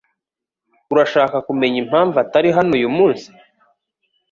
Urashaka kumenya impamvu atari hano uyumunsi?